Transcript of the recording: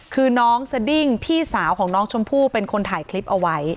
คือน้องสดิ้งพี่สาวของน้องชมพู่เป็นคนถ่ายคลิปเอาไว้